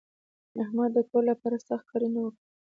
احمد د کور لپاره سخت کارونه وکړل.